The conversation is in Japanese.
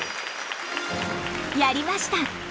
やりました！